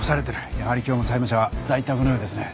やはり今日も債務者は在宅のようですね。